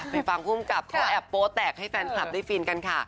ฟังภูมิกับเขาแอบโป๊แตกให้แฟนคลับได้ฟินกันค่ะ